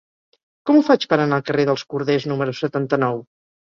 Com ho faig per anar al carrer dels Corders número setanta-nou?